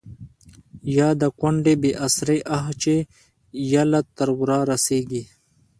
يا َد کونډې بې اسرې آه چې ا يله تر ورۀ رسيږي